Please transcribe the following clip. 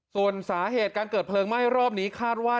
ส่วนสาเหตุการเกิดเพลิงไหม้รอบนี้คาดว่า